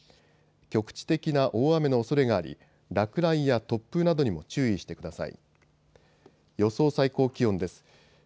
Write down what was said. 局地的な大雨のおそれがあり落雷や突風などにも注意してください。